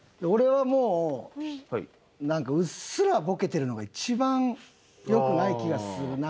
俺はもうなんかうっすらボケてるのが一番よくない気がする。